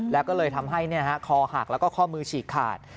แล้วก็เลยทำให้คอหักแล้วก็ข้อมือฉีกขาด